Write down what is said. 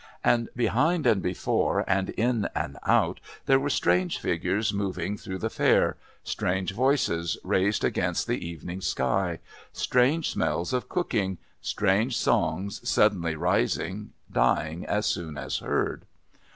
And behind and before and in and out there were strange figures moving through the Fair, strange voices raised against the evening sky, strange smells of cooking, strange songs suddenly rising, dying as soon as heard.